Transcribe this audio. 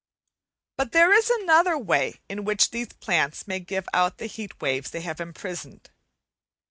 But there is still another way in which these plants may give out the heat waves they have imprisoned.